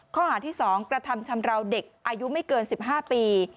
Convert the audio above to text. ข้อหาที่๒กระทำชำราวเด็กอายุไม่เกิน๑๕ปี